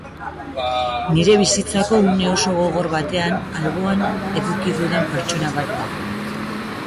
Nire bizitzako une oso gogor batean alboan eduki dudan pertsona bat da.